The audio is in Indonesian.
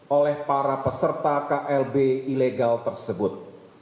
oleh para peserta klb ilegal tersebut